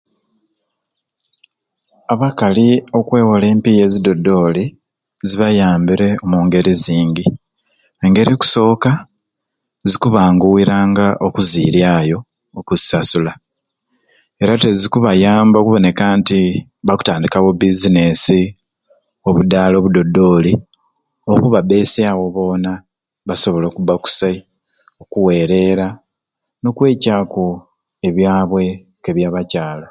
Abakali okwewola empiiya ezidodooli zibayambire omu ngeri zingi engeri ekusoka zikubanguwiranga okuziryayo okuzisasula era te zikubayamba okubona nti bakutandikawo e bizinesi obudaala obudodooli okubabbesyawo boona basobole okubba okusai okuweerera n'okweicaaku ebyabwe k'ebakyala.